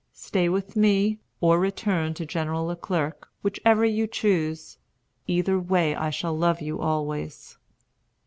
Stay with me, or return to General Le Clerc, whichever you choose. Either way, I shall love you always."